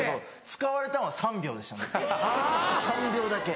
使われたのは３秒でしたね３秒だけ。